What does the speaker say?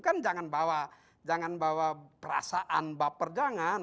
kan jangan bawa perasaan baper jangan